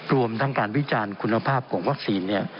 รวมทั้งการวิจารณ์คุณภาพของวัคซีน